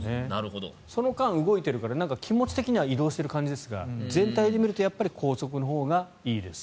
その間動いているから気持ち的には移動している感じですが全体で見ると高速のほうがいいと。